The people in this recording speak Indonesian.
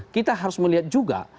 kita harus melihat juga